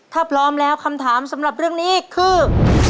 ถ้าพร้อมแล้วคำถามสำหรับเรื่องนี้คือ